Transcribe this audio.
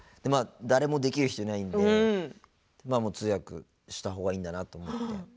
誰もできる人いないので通訳した方がいいんだなと思って。